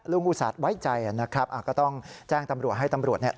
อุตส่าห์ไว้ใจนะครับก็ต้องแจ้งตำรวจให้ตำรวจเนี่ย